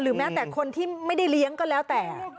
แม้แต่คนที่ไม่ได้เลี้ยงก็แล้วแต่